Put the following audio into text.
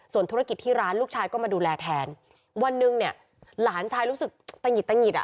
ส่วนธุรกิจที่ร้านลูกชายก็มาดูแลแทนวันหนึ่งเนี่ยหลานชายรู้สึกตะหิดตะหิดอ่ะ